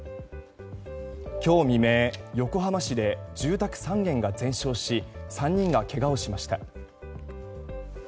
今日未明、横浜市で住宅３軒が全焼し３人がけがをしました。